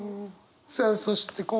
さあそして